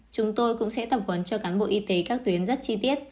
chúng tôi cũng sẽ tập huấn cho cán bộ y tế các tuyến rất chi tiết